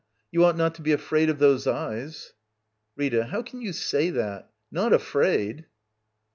You ought not to be afraid of those eyes. Rita. How can you say that I Not afraid